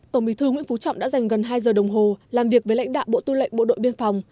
tổng bí thư nguyễn phú trọng đã dành gần hai giờ đồng hồ làm việc với lãnh đạo bộ tư lệnh bộ đội biên phòng